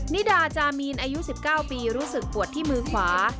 นิดาจามีนอายุ๑๙ปีรู้สึกปวดที่มือขวา